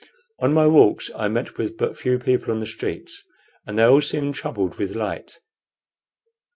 On my walks I met with but few people on the streets, and they all seemed troubled with the light.